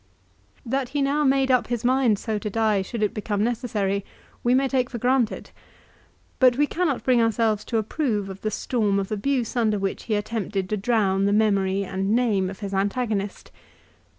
That he now made up his mind so to die should it become necessary we may take for granted, but we cannot bring ourselves to approve of the storm of abuse under which he attempted to drown the memory and name of his antagonist.